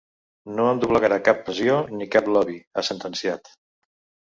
No em doblegarà cap pressió ni cap lobby, ha sentenciat.